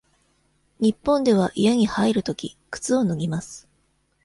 日本では家に入るとき、靴を脱ぎます。